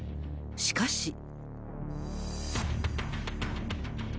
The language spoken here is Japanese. しかし。